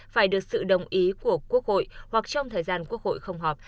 phải được sự đồng ý của quốc hội hoặc trong thời gian quốc hội không họp